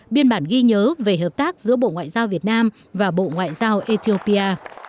biên bản ghi nhớ về hợp tác giữa bộ ngoại giao việt nam và bộ ngoại giao ethiopia